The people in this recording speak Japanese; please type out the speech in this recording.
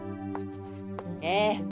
ええ。